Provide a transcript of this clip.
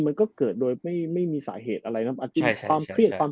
มันก็เกิดโดยไม่ไม่มีสาเหตุอะไรนะครับความเพรียบความ